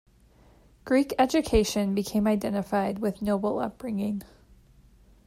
Greek education became identified with noble upbringing.